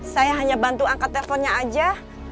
saya hanya bantu angkat teleponnya aja